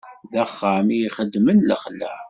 D axxam i ixedmen lexla.